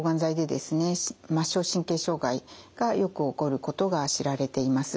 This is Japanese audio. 末梢神経障害がよく起こることが知られています。